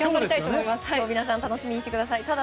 楽しみにしてください。